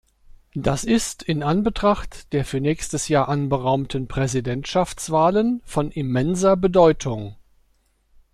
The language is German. Das ist in Anbetracht der für nächstes Jahr anberaumten Präsidentschaftswahlen von immenser Bedeutung.